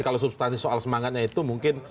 kalau substansi soal semangatnya itu mungkin